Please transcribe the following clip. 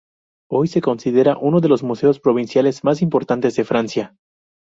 Hoy se considera uno de los museos provinciales más importantes de Francia.